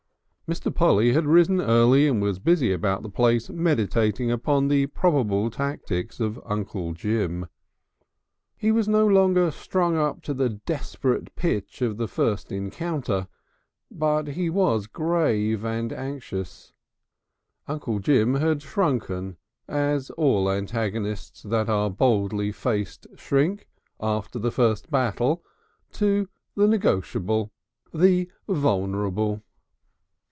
Mr. Polly had risen early and was busy about the place meditating upon the probable tactics of Uncle Jim. He was no longer strung up to the desperate pitch of the first encounter. But he was grave and anxious. Uncle Jim had shrunken, as all antagonists that are boldly faced shrink, after the first battle, to the negotiable, the vulnerable.